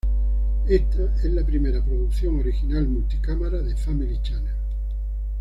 Esta es la primera producción original multi-cámara de Family Channel.